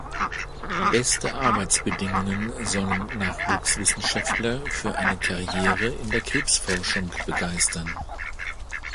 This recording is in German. Beste Arbeitsbedingungen sollen Nachwuchswissenschaftler für eine Karriere in der Krebsforschung begeistern.